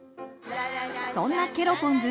そんなケロポンズ